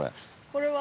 これは。